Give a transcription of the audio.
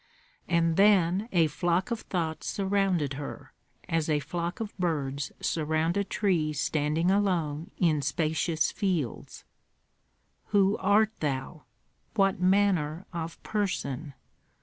And then a flock of thoughts surrounded her, as a flock of birds surround a tree standing alone in spacious fields: "Who art thou? What manner of person?